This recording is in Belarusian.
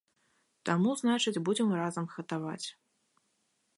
Таму, значыць, будзем разам гатаваць.